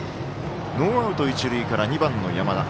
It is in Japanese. ノーアウト、一塁から２番の山田。